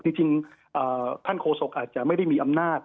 จริงท่านโฆษกอาจจะไม่ได้มีอำนาจ